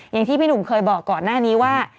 อย่างที่พี่หนุ่มเคยบอกก่อนหน้านี้ว่า